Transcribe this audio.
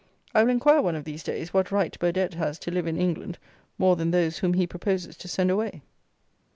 I will inquire, one of these days, what right Burdett has to live in England more than those whom he proposes to send away.